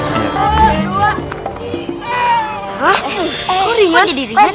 wah kok ringan